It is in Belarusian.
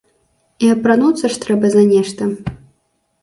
І апрануцца ж трэба за нешта.